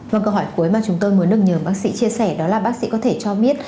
vâng câu hỏi cuối mà chúng tôi muốn được nhờ bác sĩ chia sẻ đó là bác sĩ có thể cho biết